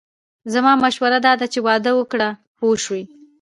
زما مشوره داده چې واده وکړه پوه شوې!.